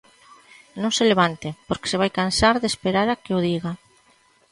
Non se levante, porque se vai cansar de esperar a que o diga.